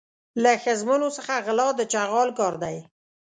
له ښځمنو څخه غلا د چغال کار دی.